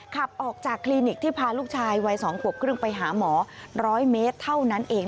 ขับออกจากคลินิกที่พาลูกชายวัย๒ขวบครึ่งไปหาหมอ๑๐๐เมตรเท่านั้นเอง